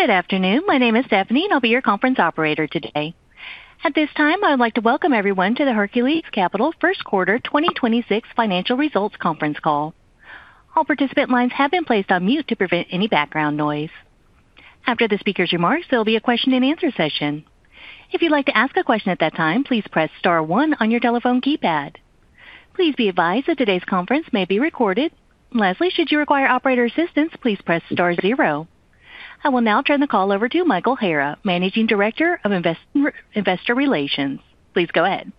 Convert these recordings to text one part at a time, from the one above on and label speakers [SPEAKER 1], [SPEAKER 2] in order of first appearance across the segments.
[SPEAKER 1] Good afternoon. My name is Stephanie, and I'll be your conference operator today. At this time, I would like to welcome everyone to the Hercules Capital First Quarter 2026 financial results conference call. All participant lines have been placed on mute to prevent any background noise. After the speaker's remarks, there'll be a question-and-answer session. If you'd like to ask a question at that time, please press star one on your telephone keypad. Please be advised that today's conference may be recorded. Lastly, should you require operator assistance, please press star zero. I will now turn the call over to Michael Hara, Managing Director, Investor Relations. Please go ahead.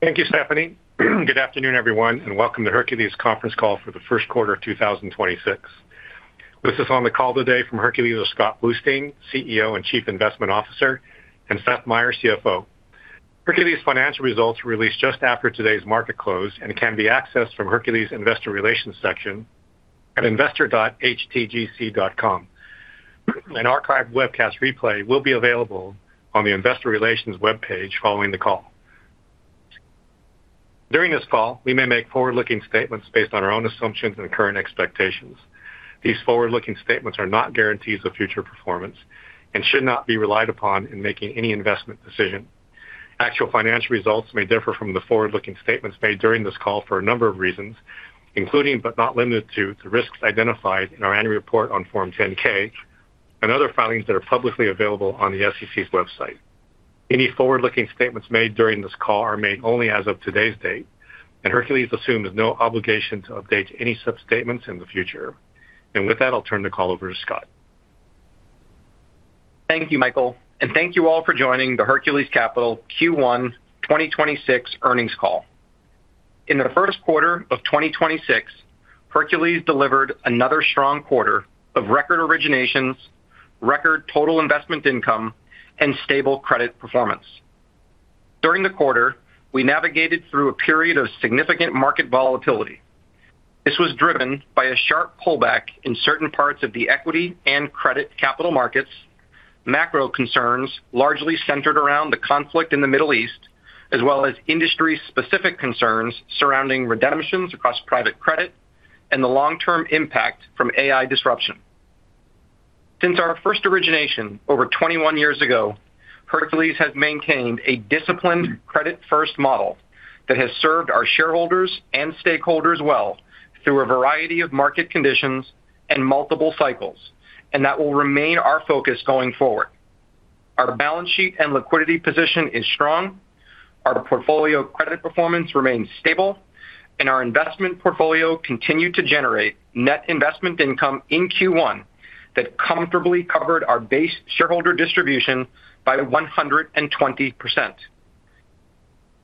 [SPEAKER 2] Thank you, Stephanie. Good afternoon, everyone, and welcome to Hercules conference call for the first quarter of 2026. With us on the call today from Hercules are Scott Bluestein, CEO and Chief Investment Officer, and Seth Meyer, CFO. Hercules financial results were released just after today's market close and can be accessed from Hercules Investor Relations section at investor.htgc.com. An archived webcast replay will be available on the investor relations webpage following the call. During this call, we may make forward-looking statements based on our own assumptions and current expectations. These forward-looking statements are not guarantees of future performance and should not be relied upon in making any investment decision. Actual financial results may differ from the forward-looking statements made during this call for a number of reasons, including, but not limited to, the risks identified in our annual report on Form 10-K and other filings that are publicly available on the SEC's website. Any forward-looking statements made during this call are made only as of today's date, Hercules assumes no obligation to update any such statements in the future. With that, I'll turn the call over to Scott.
[SPEAKER 3] Thank you, Michael, and thank you all for joining the Hercules Capital Q1 2026 earnings call. In the first quarter of 2026, Hercules delivered another strong quarter of record originations, record total investment income, and stable credit performance. During the quarter, we navigated through a period of significant market volatility. This was driven by a sharp pullback in certain parts of the equity and credit capital markets, macro concerns largely centered around the conflict in the Middle East, as well as industry-specific concerns surrounding redemptions across private credit and the long-term impact from AI disruption. Since our first origination over 21 years ago, Hercules has maintained a disciplined credit-first model that has served our shareholders and stakeholders well through a variety of market conditions and multiple cycles, and that will remain our focus going forward. Our balance sheet and liquidity position is strong. Our portfolio credit performance remains stable. Our investment portfolio continued to generate net investment income in Q1 that comfortably covered our base shareholder distribution by 120%.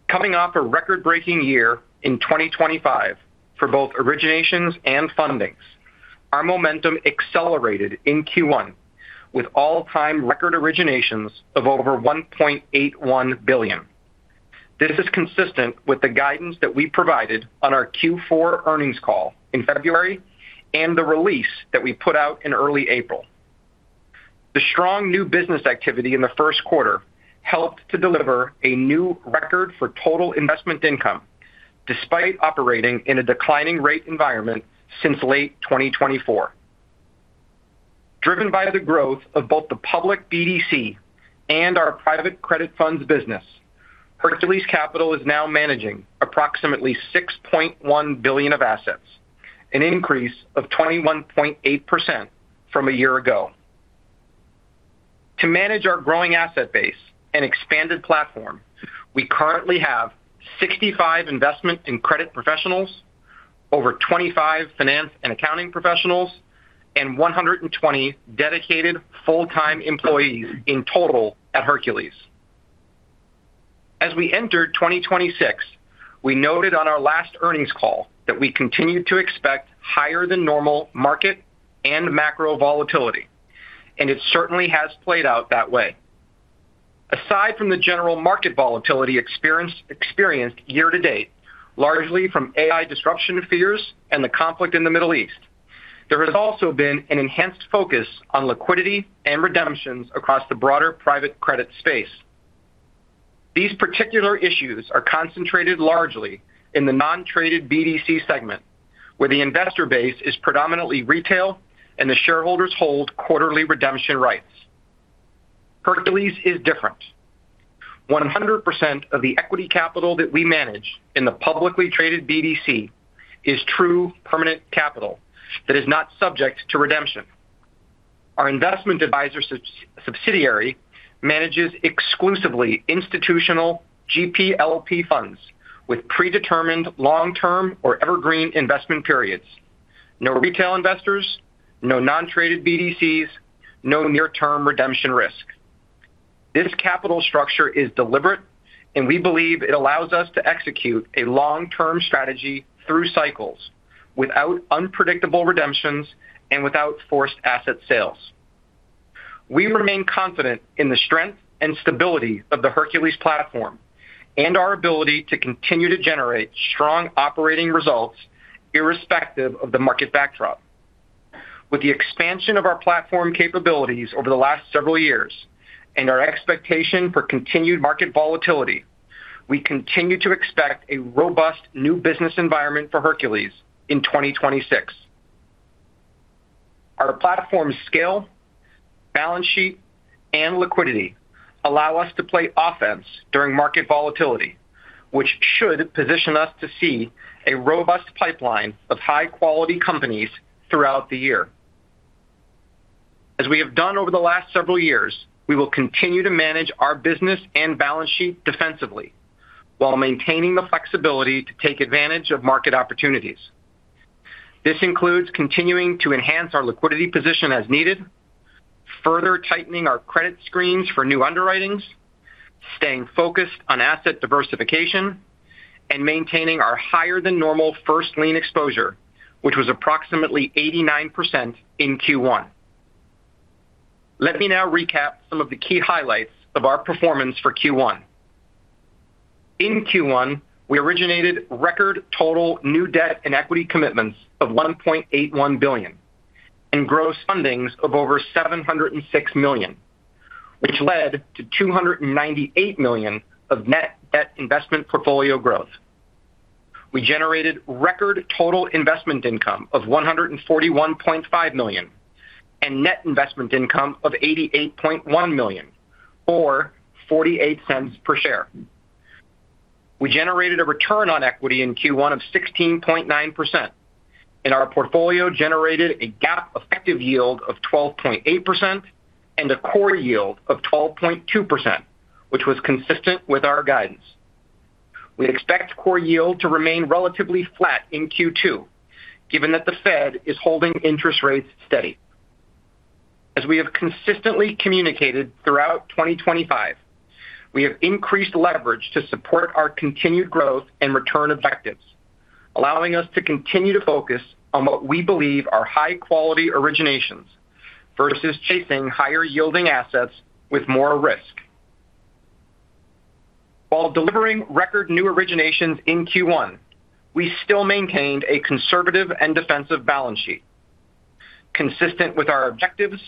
[SPEAKER 3] Coming off a record-breaking year in 2025 for both originations and fundings, our momentum accelerated in Q1 with all-time record originations of over $1.81 billion. This is consistent with the guidance that we provided on our Q4 earnings call in February and the release that we put out in early April. The strong new business activity in the first quarter helped to deliver a new record for total investment income despite operating in a declining rate environment since late 2024 Driven by the growth of both the public BDC and our private credit funds business, Hercules Capital is now managing approximately $6.1 billion of assets, an increase of 21.8% from a year ago. To manage our growing asset base and expanded platform, we currently have 65 investment and credit professionals, over 25 finance and accounting professionals, and 120 dedicated full-time employees in total at Hercules. As we entered 2026, we noted on our last earnings call that we continued to expect higher than normal market and macro volatility, it certainly has played out that way. Aside from the general market volatility experienced year to date, largely from AI disruption fears and the conflict in the Middle East, there has also been an enhanced focus on liquidity and redemptions across the broader private credit space. These particular issues are concentrated largely in the non-traded BDC segment, where the investor base is predominantly retail and the shareholders hold quarterly redemption rights. Hercules is different. 100% of the equity capital that we manage in the publicly traded BDC is true permanent capital that is not subject to redemption. Our investment advisor subsidiary manages exclusively institutional GPLP funds with predetermined long-term or evergreen investment periods. No retail investors, no non-traded BDCs, no near-term redemption risk. This capital structure is deliberate, and we believe it allows us to execute a long-term strategy through cycles without unpredictable redemptions and without forced asset sales. We remain confident in the strength and stability of the Hercules platform and our ability to continue to generate strong operating results irrespective of the market backdrop. With the expansion of our platform capabilities over the last several years and our expectation for continued market volatility. We continue to expect a robust new business environment for Hercules in 2026. Our platform scale, balance sheet, and liquidity allow us to play offense during market volatility, which should position us to see a robust pipeline of high-quality companies throughout the year. As we have done over the last several years, we will continue to manage our business and balance sheet defensively while maintaining the flexibility to take advantage of market opportunities. This includes continuing to enhance our liquidity position as needed, further tightening our credit screens for new underwritings, staying focused on asset diversification, and maintaining our higher than normal first lien exposure, which was approximately 89% in Q1. Let me now recap some of the key highlights of our performance for Q1. In Q1, we originated record total new debt and equity commitments of $1.81 billion and gross fundings of over $706 million, which led to $298 million of net debt investment portfolio growth. We generated record total investment income of $141.5 million and net investment income of $88.1 million or $0.48 per share. We generated a return on equity in Q1 of 16.9%, and our portfolio generated a GAAP effective yield of 12.8% and a core yield of 12.2%, which was consistent with our guidance. We expect core yield to remain relatively flat in Q2, given that the Fed is holding interest rates steady. As we have consistently communicated throughout 2025, we have increased leverage to support our continued growth and return objectives, allowing us to continue to focus on what we believe are high-quality originations versus chasing higher yielding assets with more risk. While delivering record new originations in Q1, we still maintained a conservative and defensive balance sheet. Consistent with our objectives,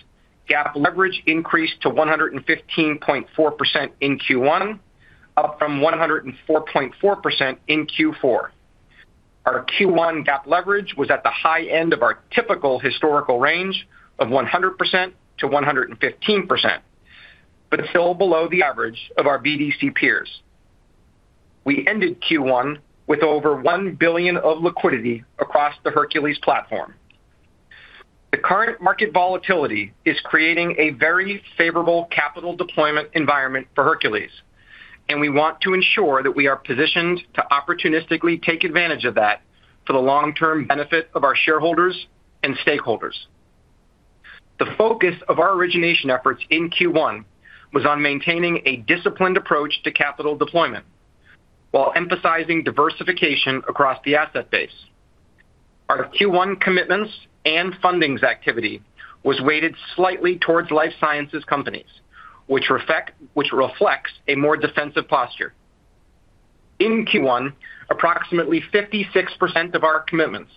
[SPEAKER 3] GAAP leverage increased to 115.4% in Q1, up from 104.4% in Q4. Our Q1 GAAP leverage was at the high end of our typical historical range of 100%-115%, but still below the average of our BDC peers. We ended Q1 with over $1 billion of liquidity across the Hercules platform. The current market volatility is creating a very favorable capital deployment environment for Hercules, and we want to ensure that we are positioned to opportunistically take advantage of that for the long-term benefit of our shareholders and stakeholders. The focus of our origination efforts in Q1 was on maintaining a disciplined approach to capital deployment while emphasizing diversification across the asset base. Our Q1 commitments and fundings activity was weighted slightly towards life sciences companies, which reflects a more defensive posture. In Q1, approximately 56% of our commitments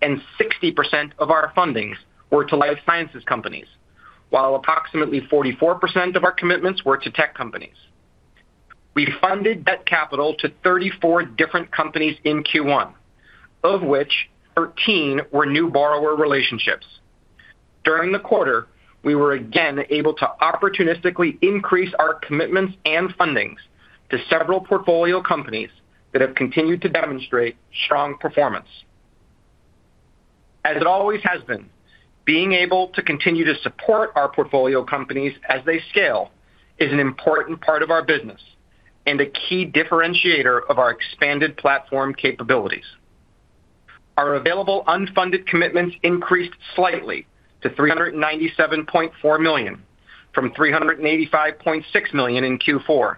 [SPEAKER 3] and 60% of our fundings were to life sciences companies, while approximately 44% of our commitments were to tech companies. We funded that capital to 34 different companies in Q1, of which 13 were new borrower relationships. During the quarter, we were again able to opportunistically increase our commitments and fundings to several portfolio companies that have continued to demonstrate strong performance. As it always has been, being able to continue to support our portfolio companies as they scale is an important part of our business and a key differentiator of our expanded platform capabilities. Our available unfunded commitments increased slightly to $397.4 million from $385.6 million in Q4,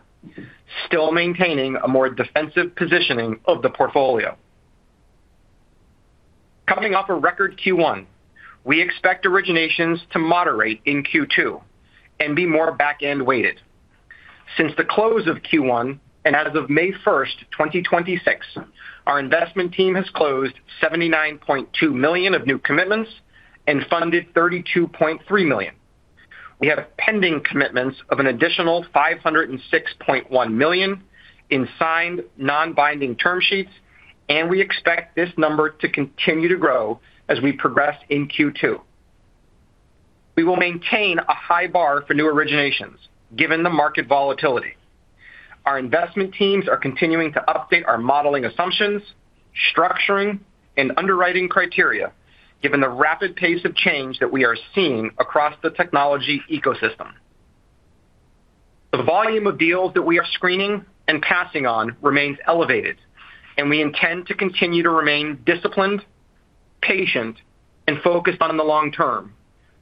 [SPEAKER 3] still maintaining a more defensive positioning of the portfolio. Coming off a record Q1, we expect originations to moderate in Q2 and be more back-end weighted. Since the close of Q1 and as of May 1st, 2026, our investment team has closed $79.2 million of new commitments and funded $32.3 million. We have pending commitments of an additional $506.1 million in signed non-binding term sheets, and we expect this number to continue to grow as we progress in Q2. We will maintain a high bar for new originations given the market volatility. Our investment teams are continuing to update our modeling assumptions, structuring, and underwriting criteria given the rapid pace of change that we are seeing across the technology ecosystem. The volume of deals that we are screening and passing on remains elevated, and we intend to continue to remain disciplined, patient, and focused on the long-term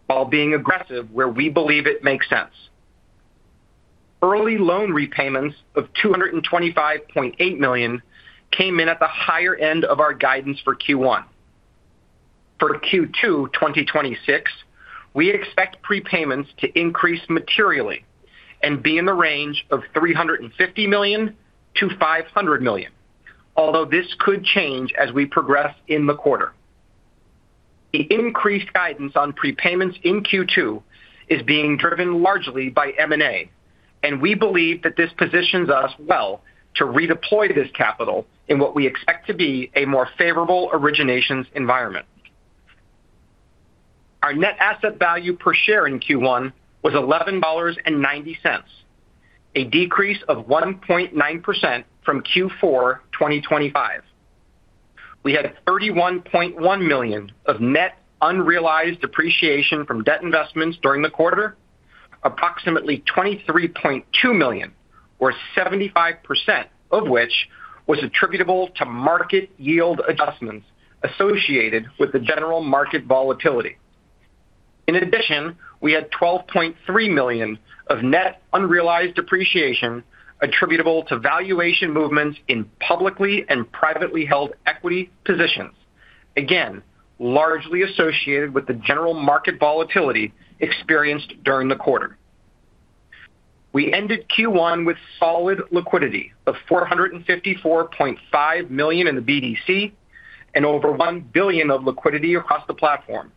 [SPEAKER 3] while being aggressive where we believe it makes sense. Early loan repayments of $225.8 million came in at the higher end of our guidance for Q1. For Q2 2026, we expect prepayments to increase materially and be in the range of $350 million-$500 million, although this could change as we progress in the quarter. The increased guidance on prepayments in Q2 is being driven largely by M&A, and we believe that this positions us well to redeploy this capital in what we expect to be a more favorable originations environment. Our net asset value per share in Q1 was $11.90, a decrease of 1.9% from Q4 2025. We had $31.1 million of net unrealized depreciation from debt investments during the quarter, approximately $23.2 million, or 75% of which was attributable to market yield adjustments associated with the general market volatility. In addition, we had $12.3 million of net unrealized depreciation attributable to valuation movements in publicly and privately held equity positions, again, largely associated with the general market volatility experienced during the quarter. We ended Q1 with solid liquidity of $454.5 million in the BDC and over $1 billion of liquidity across the platform.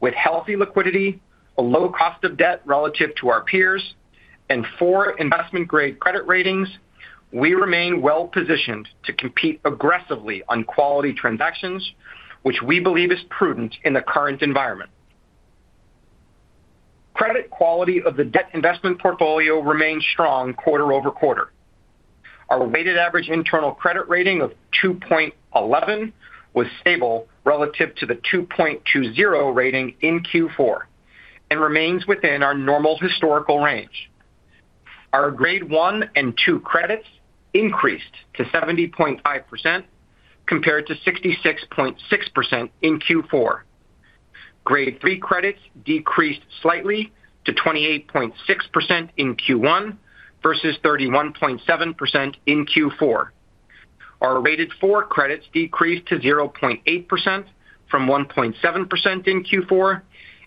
[SPEAKER 3] With healthy liquidity, a low cost of debt relative to our peers, and four investment-grade credit ratings, we remain well-positioned to compete aggressively on quality transactions, which we believe is prudent in the current environment. Credit quality of the debt investment portfolio remains strong quarter-over-quarter. Our weighted average internal credit rating of 2.11 was stable relative to the 2.20 rating in Q4 and remains within our normal historical range. Our Grade 1 and 2 credits increased to 70.5% compared to 66.6% in Q4. Grade 3 credits decreased slightly to 28.6% in Q1 versus 31.7% in Q4. Our rated 4 credits decreased to 0.8% from 1.7% in Q4,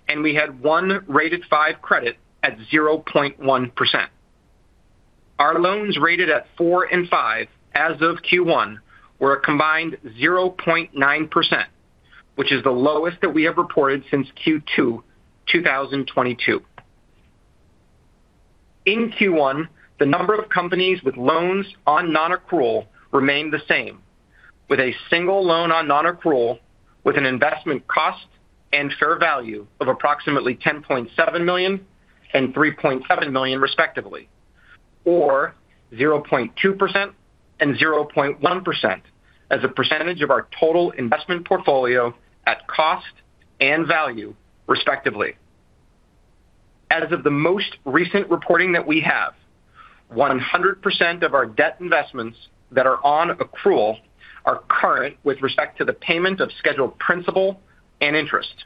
[SPEAKER 3] and we had 1 rated 5 credit at 0.1%. Our loans rated at 4 and 5 as of Q1 were a combined 0.9%, which is the lowest that we have reported since Q2 2022. In Q1, the number of companies with loans on non-accrual remained the same, with a single loan on non-accrual with an investment cost and fair value of approximately $10.7 million and $3.7 million respectively, or 0.2% and 0.1% as a percentage of our total investment portfolio at cost and value, respectively. As of the most recent reporting that we have, 100% of our debt investments that are on accrual are current with respect to the payment of scheduled principal and interest.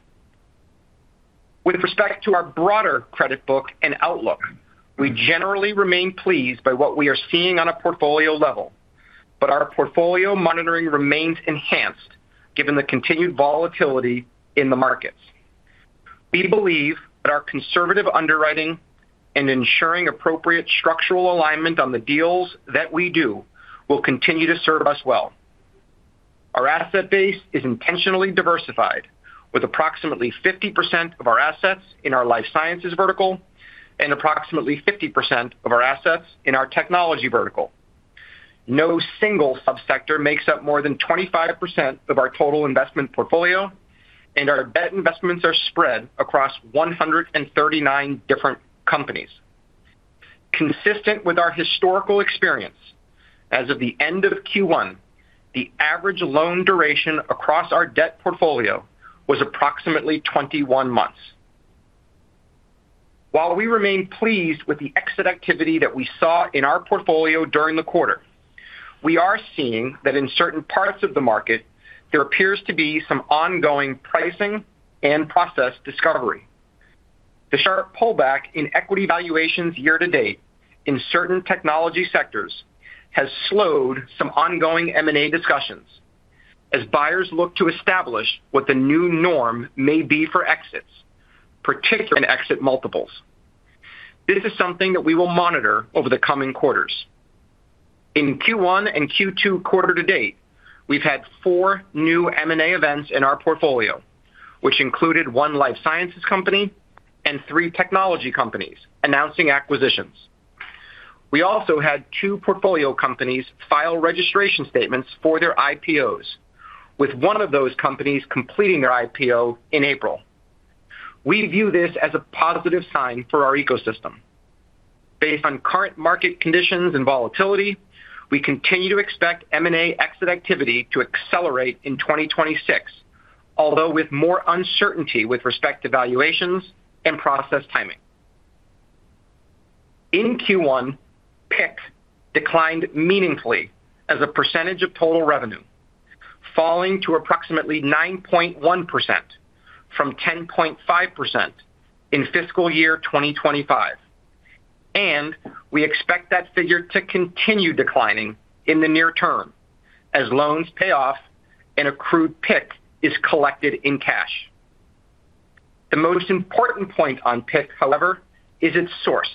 [SPEAKER 3] With respect to our broader credit book and outlook, we generally remain pleased by what we are seeing on a portfolio level, but our portfolio monitoring remains enhanced given the continued volatility in the markets. We believe that our conservative underwriting and ensuring appropriate structural alignment on the deals that we do will continue to serve us well. Our asset base is intentionally diversified with approximately 50% of our assets in our life sciences vertical and approximately 50% of our assets in our technology vertical. No single subsector makes up more than 25% of our total investment portfolio, and our debt investments are spread across 139 different companies. Consistent with our historical experience, as of the end of Q1, the average loan duration across our debt portfolio was approximately 21 months. While we remain pleased with the exit activity that we saw in our portfolio during the quarter, we are seeing that in certain parts of the market there appears to be some ongoing pricing and process discovery. The sharp pullback in equity valuations year to date in certain technology sectors has slowed some ongoing M&A discussions as buyers look to establish what the new norm may be for exits, particularly in exit multiples. This is something that we will monitor over the coming quarters. In Q1 and Q2 quarter to date, we've had four new M&A events in our portfolio, which included one life sciences company and three technology companies announcing acquisitions. We also had two portfolio companies file registration statements for their IPOs, with one of those companies completing their IPO in April. We view this as a positive sign for our ecosystem. Based on current market conditions and volatility, we continue to expect M&A exit activity to accelerate in 2026, although with more uncertainty with respect to valuations and process timing. In Q1, PIK declined meaningfully as a percentage of total revenue, falling to approximately 9.1% from 10.5% in fiscal year 2025. We expect that figure to continue declining in the near term as loans pay off and accrued PIK is collected in cash. The most important point on PIK, however, is its source.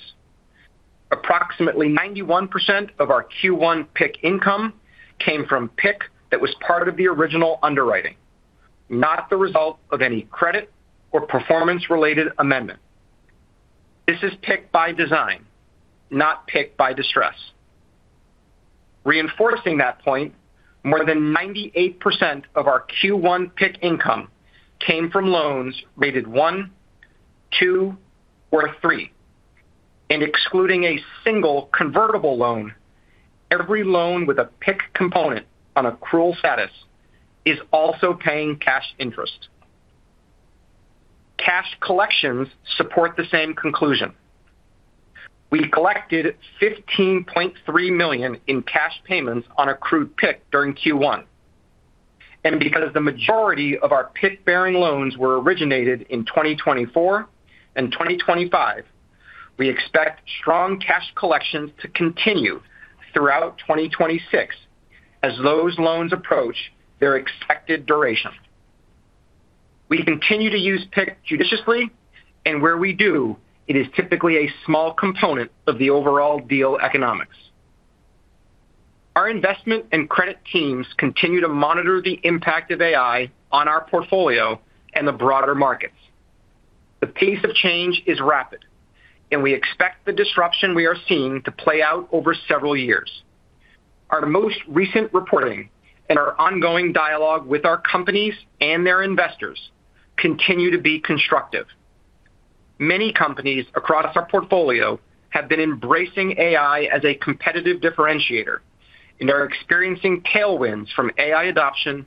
[SPEAKER 3] Approximately 91% of our Q1 PIK income came from PIK that was part of the original underwriting, not the result of any credit or performance-related amendment. This is PIK by design, not PIK by distress. Reinforcing that point, more than 98% of our Q1 PIK income came from loans rated one, two, or three. Excluding a single convertible loan, every loan with a PIK component on accrual status is also paying cash interest. Cash collections support the same conclusion. We collected $15.3 million in cash payments on accrued PIK during Q1. Because the majority of our PIK-bearing loans were originated in 2024 and 2025, we expect strong cash collections to continue throughout 2026 as those loans approach their expected duration. We continue to use PIK judiciously, and where we do, it is typically a small component of the overall deal economics. Our investment and credit teams continue to monitor the impact of AI on our portfolio and the broader markets. The pace of change is rapid, and we expect the disruption we are seeing to play out over several years. Our most recent reporting and our ongoing dialogue with our companies and their investors continue to be constructive. Many companies across our portfolio have been embracing AI as a competitive differentiator and are experiencing tailwinds from AI adoption,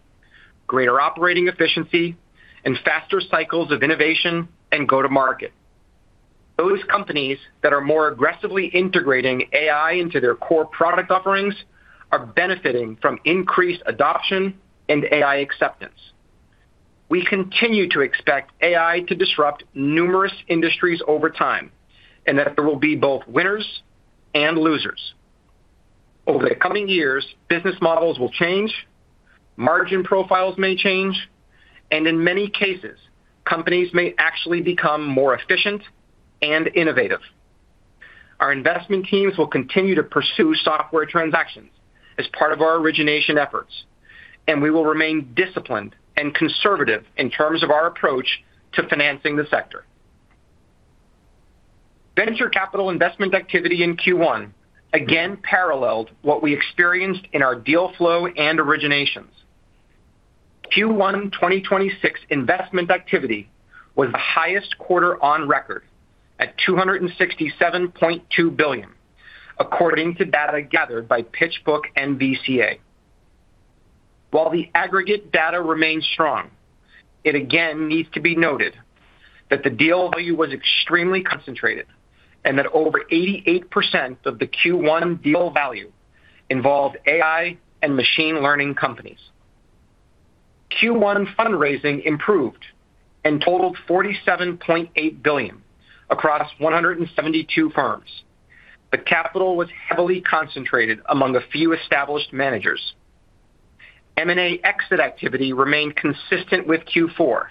[SPEAKER 3] greater operating efficiency, and faster cycles of innovation and go-to-market. Those companies that are more aggressively integrating AI into their core product offerings are benefiting from increased adoption and AI acceptance. We continue to expect AI to disrupt numerous industries over time, and that there will be both winners and losers. Over the coming years, business models will change, margin profiles may change, and in many cases, companies may actually become more efficient and innovative. Our investment teams will continue to pursue software transactions as part of our origination efforts, and we will remain disciplined and conservative in terms of our approach to financing the sector. Venture capital investment activity in Q1 again paralleled what we experienced in our deal flow and originations. Q1 2026 investment activity was the highest quarter on record at $267.2 billion, according to data gathered by PitchBook-NVCA. While the aggregate data remains strong, it again needs to be noted that the deal value was extremely concentrated and that over 88% of the Q1 deal value involved AI and machine learning companies. Q1 fundraising improved and totaled $47.8 billion across 172 firms. The capital was heavily concentrated among a few established managers. M&A exit activity remained consistent with Q4,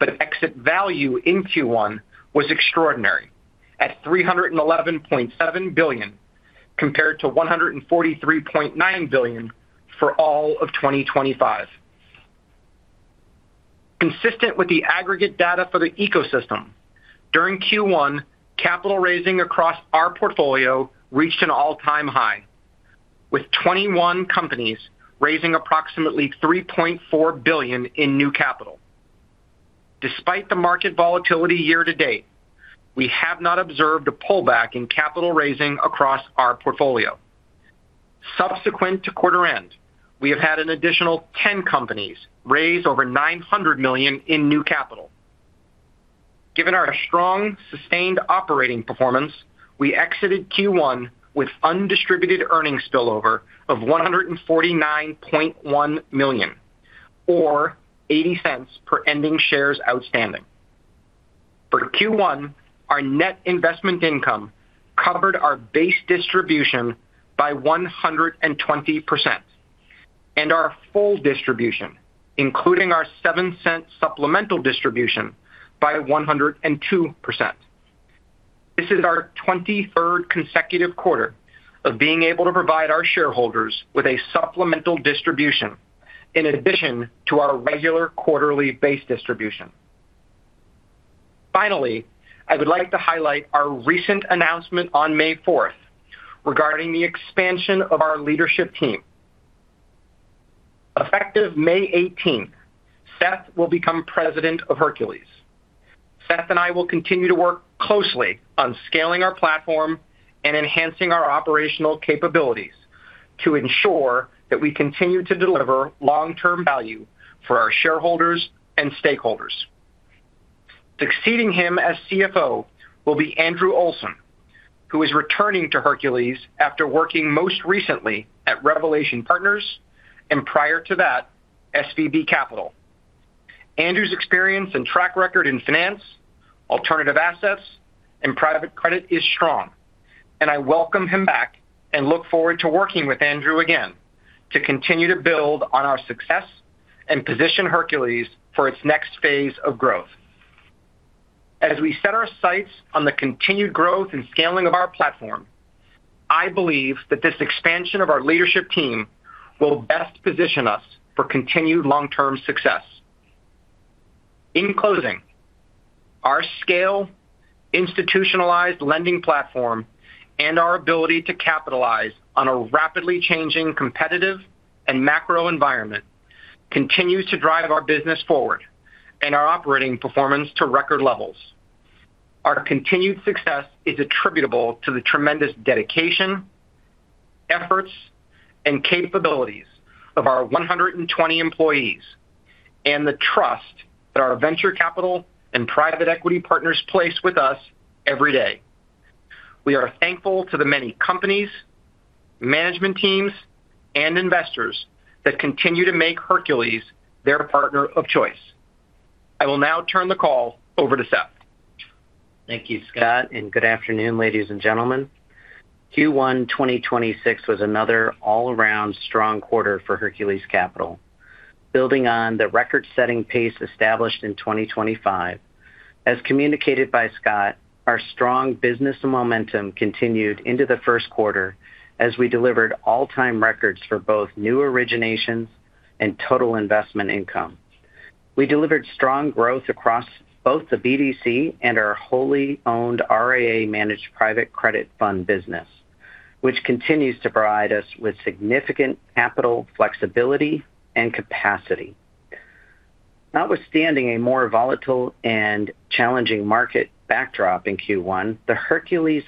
[SPEAKER 3] but exit value in Q1 was extraordinary at $311.7 billion, compared to $143.9 billion for all of 2025. Consistent with the aggregate data for the ecosystem, during Q1, capital raising across our portfolio reached an all-time high, with 21 companies raising approximately $3.4 billion in new capital. Despite the market volatility year to date, we have not observed a pullback in capital raising across our portfolio. Subsequent to quarter end, we have had an additional 10 companies raise over $900 million in new capital. Given our strong, sustained operating performance, we exited Q1 with undistributed earnings spillover of $149.1 million, or $0.80 per ending shares outstanding. For Q1, our net investment income covered our base distribution by 120% and our full distribution, including our $0.07 supplemental distribution by 102%. This is our 23rd consecutive quarter of being able to provide our shareholders with a supplemental distribution in addition to our regular quarterly base distribution. Finally, I would like to highlight our recent announcement on May 4th regarding the expansion of our leadership team. Effective May 18th, Seth will become President of Hercules. Seth and I will continue to work closely on scaling our platform and enhancing our operational capabilities to ensure that we continue to deliver long-term value for our shareholders and stakeholders. Succeeding him as CFO will be Andrew Olson, who is returning to Hercules after working most recently at Revelation Partners and prior to that, SVB Capital. Andrew's experience and track record in finance, alternative assets, and private credit is strong. I welcome him back and look forward to working with Andrew again to continue to build on our success and position Hercules for its next phase of growth. As we set our sights on the continued growth and scaling of our platform, I believe that this expansion of our leadership team will best position us for continued long-term success. In closing, our scale, institutionalized lending platform, and our ability to capitalize on a rapidly changing competitive and macro environment continues to drive our business forward and our operating performance to record levels. Our continued success is attributable to the tremendous dedication, efforts, and capabilities of our 120 employees and the trust that our venture capital and private equity partners place with us every day. We are thankful to the many companies, management teams, and investors that continue to make Hercules their partner of choice. I will now turn the call over to Seth.
[SPEAKER 4] Thank you, Scott, and good afternoon, ladies and gentlemen. Q1 2026 was another all-around strong quarter for Hercules Capital. Building on the record-setting pace established in 2025, as communicated by Scott, our strong business momentum continued into the first quarter as we delivered all-time records for both new originations and total investment income. We delivered strong growth across both the BDC and our wholly owned RIA-managed private credit fund business, which continues to provide us with significant capital flexibility and capacity. Notwithstanding a more volatile and challenging market backdrop in Q1, the Hercules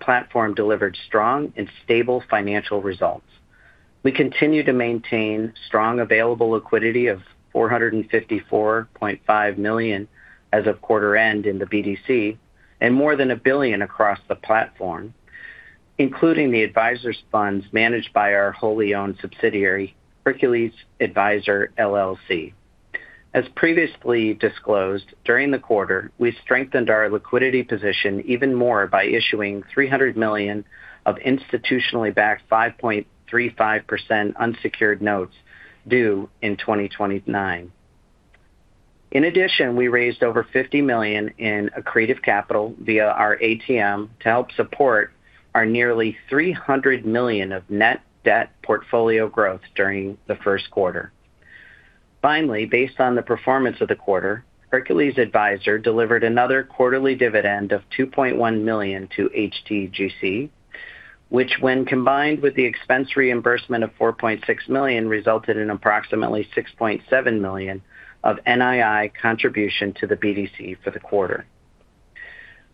[SPEAKER 4] platform delivered strong and stable financial results. We continue to maintain strong available liquidity of $454.5 million as of quarter-end in the BDC and more than $1 billion across the platform, including the Adviser funds managed by our wholly owned subsidiary, Hercules Adviser LLC. As previously disclosed, during the quarter, we strengthened our liquidity position even more by issuing $300 million of institutionally backed 5.35% unsecured notes due in 2029. In addition, we raised over $50 million in accretive capital via our ATM to help support our nearly $300 million of net debt portfolio growth during the first quarter. Based on the performance of the quarter, Hercules Adviser delivered another quarterly dividend of $2.1 million to HTGC, which when combined with the expense reimbursement of $4.6 million, resulted in approximately $6.7 million of NII contribution to the BDC for the quarter.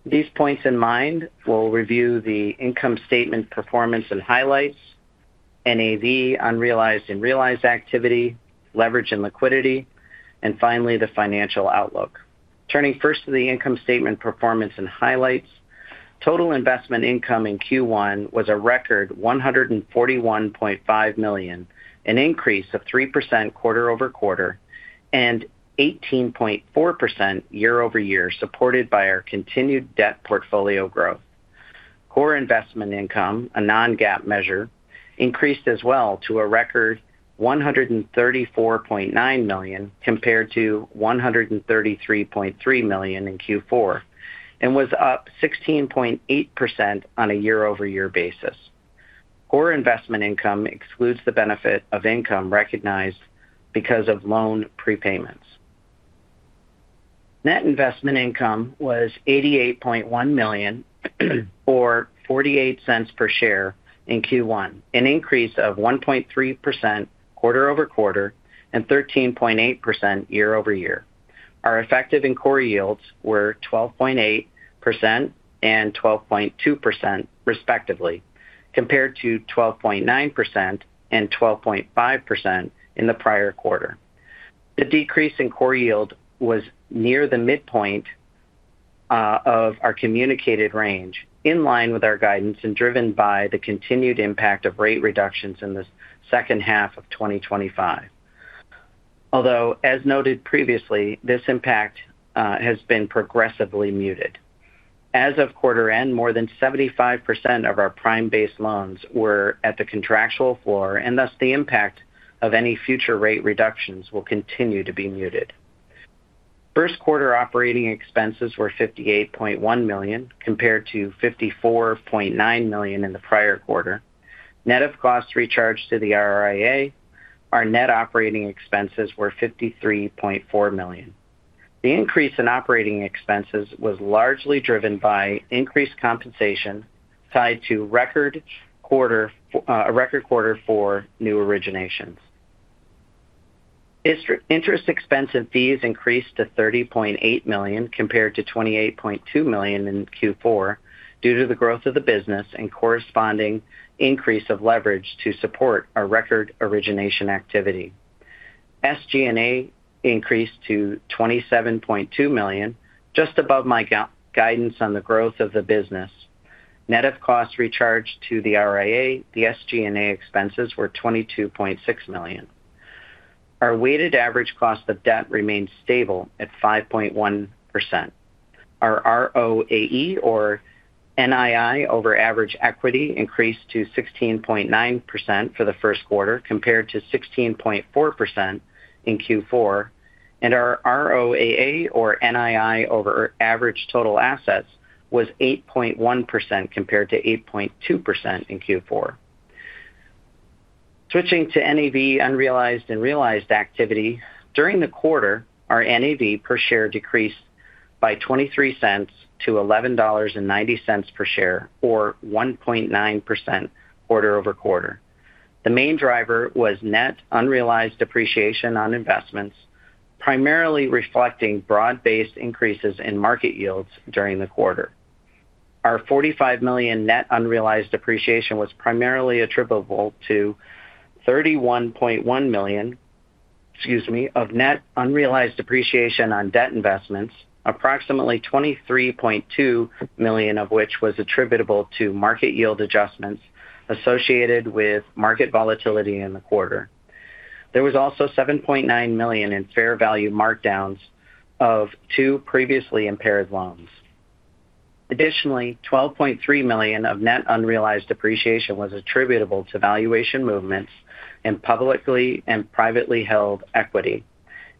[SPEAKER 4] These points in mind will review the income statement performance and highlights, NAV unrealized and realized activity, leverage and liquidity, and finally, the financial outlook. Turning first to the income statement performance and highlights. Total investment income in Q1 was a record $141.5 million, an increase of 3% quarter-over-quarter and 18.4% year-over-year, supported by our continued debt portfolio growth. Core investment income, a non-GAAP measure, increased as well to a record $134.9 million compared to $133.3 million in Q4 and was up 16.8% on a year-over-year basis. Core investment income excludes the benefit of income recognized because of loan prepayments. Net investment income was $88.1 million or $0.48 per share in Q1, an increase of 1.3% quarter-over-quarter and 13.8% year-over-year. Our effective and core yields were 12.8% and 12.2% respectively, compared to 12.9% and 12.5% in the prior quarter. The decrease in core yield was near the midpoint of our communicated range, in line with our guidance and driven by the continued impact of rate reductions in the second half of 2025. As noted previously, this impact has been progressively muted. As of quarter end, more than 75% of our prime base loans were at the contractual floor, and thus the impact of any future rate reductions will continue to be muted. First quarter operating expenses were $58.1 million, compared to $54.9 million in the prior quarter. Net of costs recharged to the RIA, our net operating expenses were $53.4 million. The increase in operating expenses was largely driven by increased compensation tied to a record quarter for new originations. Interest expense and fees increased to $30.8 million, compared to $28.2 million in Q4, due to the growth of the business and corresponding increase of leverage to support our record origination activity. SG&A increased to $27.2 million, just above my guidance on the growth of the business. Net of costs recharged to the RIA, the SG&A expenses were $22.6 million. Our weighted average cost of debt remains stable at 5.1%. Our ROAE or NII over average equity increased to 16.9% for the first quarter compared to 16.4% in Q4, and our ROAA or NII over average total assets was 8.1% compared to 8.2% in Q4. Switching to NAV unrealized and realized activity. During the quarter, our NAV per share decreased by $0.23 to $11.90 per share or 1.9% quarter-over-quarter. The main driver was net unrealized appreciation on investments, primarily reflecting broad-based increases in market yields during the quarter. Our $45 million net unrealized appreciation was primarily attributable to $31.1 million, excuse me, of net unrealized appreciation on debt investments, approximately $23.2 million of which was attributable to market yield adjustments associated with market volatility in the quarter. There was also $7.9 million in fair value markdowns of two previously impaired loans. Additionally, $12.3 million of net unrealized appreciation was attributable to valuation movements in publicly and privately held equity,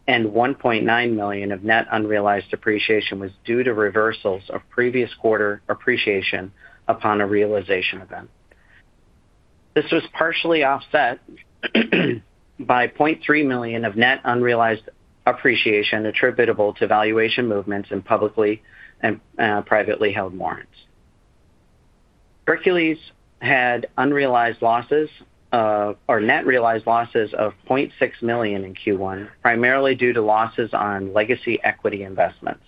[SPEAKER 4] and $1.9 million of net unrealized appreciation was due to reversals of previous quarter appreciation upon a realization event. This was partially offset by $0.3 million of net unrealized appreciation attributable to valuation movements in publicly and privately held warrants. Hercules had unrealized losses of or net realized losses of $0.6 million in Q1, primarily due to losses on legacy equity investments.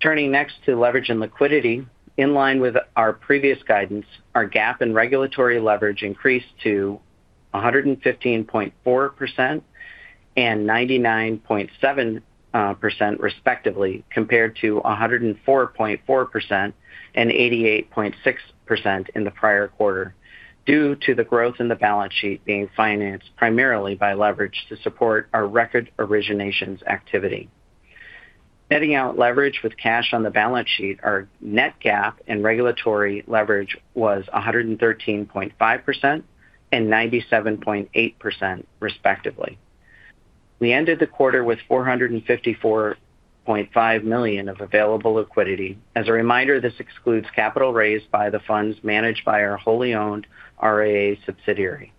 [SPEAKER 4] Turning next to leverage and liquidity. In line with our previous guidance, our GAAP and regulatory leverage increased to 115.4% and 99.7% respectively, compared to 104.4% and 88.6% in the prior quarter due to the growth in the balance sheet being financed primarily by leverage to support our record originations activity. Netting out leverage with cash on the balance sheet, our net GAAP and regulatory leverage was 113.5% and 97.8% respectively. We ended the quarter with $454.5 million of available liquidity. As a reminder, this excludes capital raised by the funds managed by our wholly owned RIA subsidiary.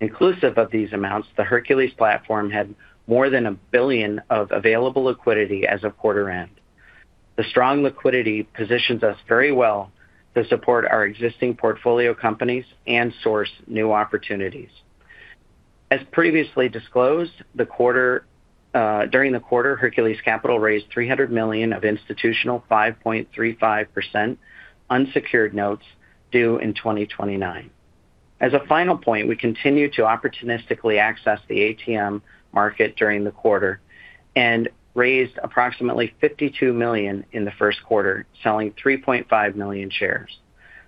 [SPEAKER 4] Inclusive of these amounts, the Hercules platform had more than $1 billion of available liquidity as of quarter end. The strong liquidity positions us very well to support our existing portfolio companies and source new opportunities. As previously disclosed, the quarter, during the quarter, Hercules Capital raised $300 million of institutional 5.35% unsecured notes due in 2029. As a final point, we continue to opportunistically access the ATM market during the quarter and raised approximately $52 million in the first quarter, selling 3.5 million shares.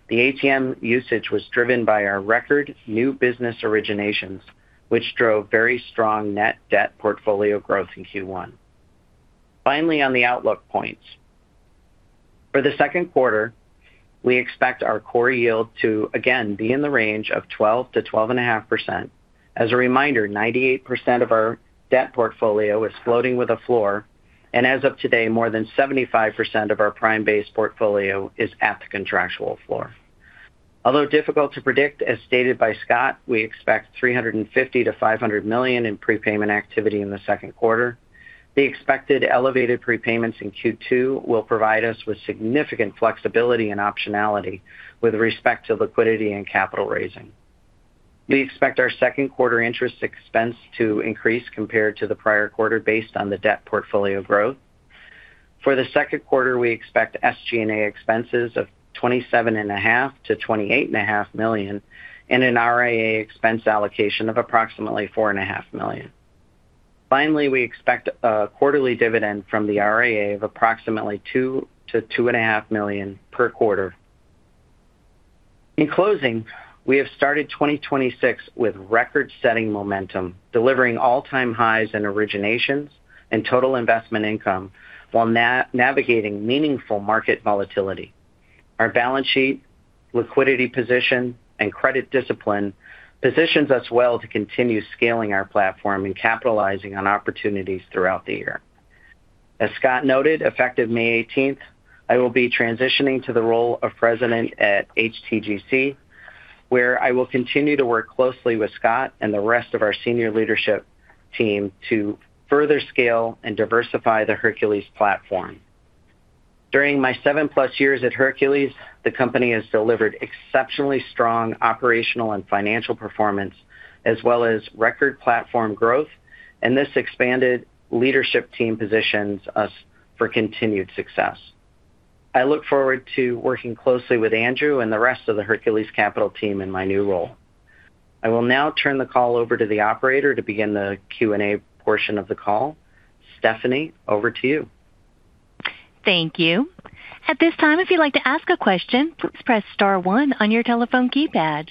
[SPEAKER 4] The ATM usage was driven by our record new business originations, which drove very strong net debt portfolio growth in Q1. Finally, on the outlook points. For the second quarter, we expect our core yield to again be in the range of 12%-12.5%. As a reminder, 98% of our debt portfolio is floating with a floor, and as of today, more than 75% of our prime base portfolio is at the contractual floor. Although difficult to predict, as stated by Scott, we expect $350 million-$500 million in prepayment activity in the second quarter. The expected elevated prepayments in Q2 will provide us with significant flexibility and optionality with respect to liquidity and capital raising. We expect our second quarter interest expense to increase compared to the prior quarter based on the debt portfolio growth. For the second quarter, we expect SG&A expenses of twenty-seven and a half to twenty-eight and a half million and an RIA expense allocation of approximately $4.5 Million. Finally, we expect a quarterly dividend from the RIA of approximately $2 million-2.5 million per quarter. In closing, we have started 2026 with record-setting momentum, delivering all-time highs in originations and total investment income while navigating meaningful market volatility. Our balance sheet, liquidity position, and credit discipline positions us well to continue scaling our platform and capitalizing on opportunities throughout the year. As Scott noted, effective May 18th, I will be transitioning to the role of President at HTGC, where I will continue to work closely with Scott and the rest of our senior leadership team to further scale and diversify the Hercules platform. During my 7+ years at Hercules, the company has delivered exceptionally strong operational and financial performance as well as record platform growth, this expanded leadership team positions us for continued success. I look forward to working closely with Andrew and the rest of the Hercules Capital team in my new role. I will now turn the call over to the operator to begin the Q&A portion of the call. Stephanie, over to you.
[SPEAKER 1] Thank you. At this time, if you'd like to ask a question, please press star one on your telephone keypad.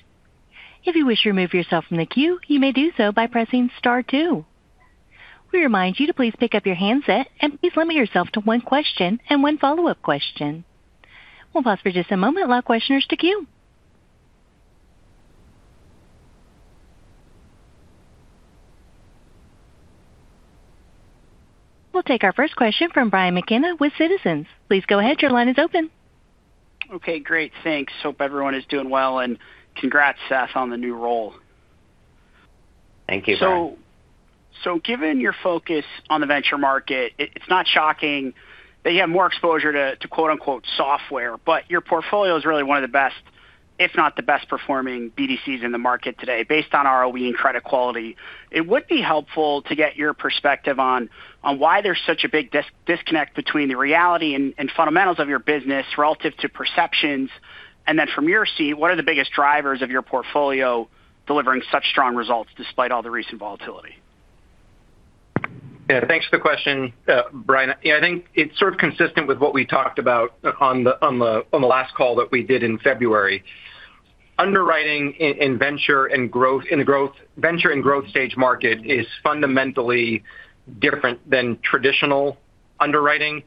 [SPEAKER 1] If you wish to remove yourself from the queue, you may do so by pressing star two. We remind you to please pick up your handset and please limit yourself to one question and one follow-up question. We'll pause for just a moment and allow questioners to queue. We'll take our first question from Brian McKenna with Citizens. Please go ahead. Your line is open.
[SPEAKER 5] Okay, great. Thanks. Hope everyone is doing well. Congrats, Seth, on the new role.
[SPEAKER 4] Thank you, Brian.
[SPEAKER 5] Given your focus on the venture market, it's not shocking that you have more exposure to, quote-unquote, "software," but your portfolio is really one of the best, if not the best performing BDCs in the market today based on ROE and credit quality. It would be helpful to get your perspective on why there's such a big disconnect between the reality and fundamentals of your business relative to perceptions. From your seat, what are the biggest drivers of your portfolio delivering such strong results despite all the recent volatility?
[SPEAKER 3] Yeah. Thanks for the question, Brian. Yeah, I think it's sort of consistent with what we talked about on the last call that we did in February. Underwriting in venture and growth stage market is fundamentally different than traditional underwriting.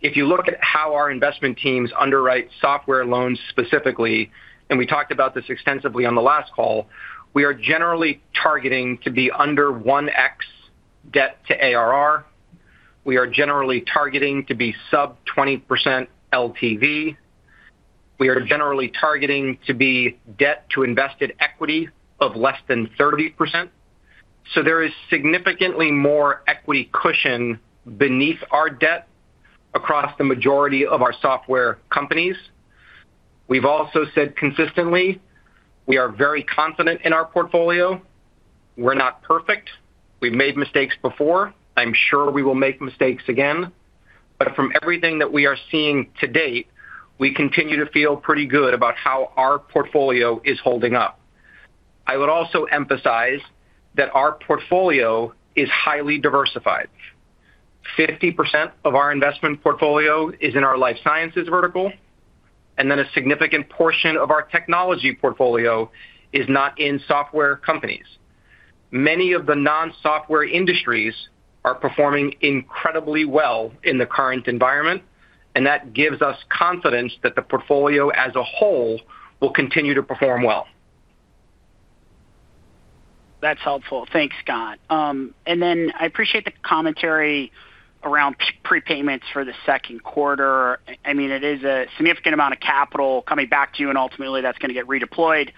[SPEAKER 3] If you look at how our investment teams underwrite software loans specifically, and we talked about this extensively on the last call, we are generally targeting to be under 1x debt to ARR. We are generally targeting to be sub 20% LTV. We are generally targeting to be debt to invested equity of less than 30%. There is significantly more equity cushion beneath our debt across the majority of our software companies. We've also said consistently, we are very confident in our portfolio. We're not perfect. We've made mistakes before. I'm sure we will make mistakes again. From everything that we are seeing to date, we continue to feel pretty good about how our portfolio is holding up. I would also emphasize that our portfolio is highly diversified. 50% of our investment portfolio is in our life sciences vertical, a significant portion of our technology portfolio is not in software companies. Many of the non-software industries are performing incredibly well in the current environment, that gives us confidence that the portfolio as a whole will continue to perform well.
[SPEAKER 5] That's helpful. Thanks, Scott. I appreciate the commentary around prepayments for the second quarter. I mean, it is a significant amount of capital coming back to you, and ultimately that's gonna get redeployed.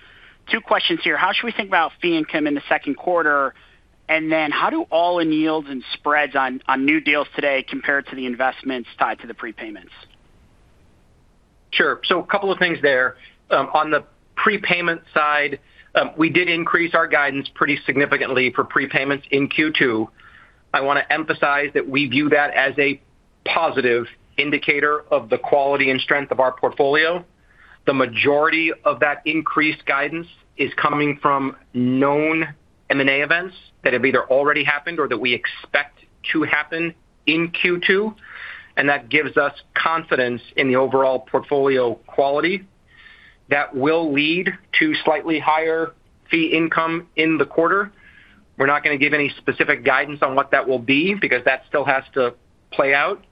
[SPEAKER 5] Two questions here. How should we think about fee income in the second quarter? How do all-in yields and spreads on new deals today compare to the investments tied to the prepayments?
[SPEAKER 3] Sure. A couple of things there. On the prepayment side, we did increase our guidance pretty significantly for prepayments in Q2. I wanna emphasize that we view that as a positive indicator of the quality and strength of our portfolio. The majority of that increased guidance is coming from known M&A events that have either already happened or that we expect to happen in Q2, and that gives us confidence in the overall portfolio quality that will lead to slightly higher fee income in the quarter. We're not gonna give any specific guidance on what that will be because that still has to play out.